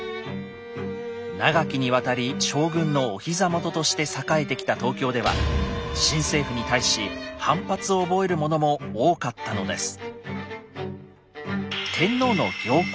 長きにわたり将軍のおひざ元として栄えてきた東京では新政府に対し反発を覚える者も多かったのです。